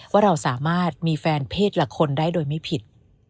ว่าเราสามารถมีแฟนเพศละคนได้โดยไม่ผิด